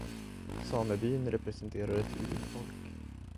Samebyn representerar ett urfolk.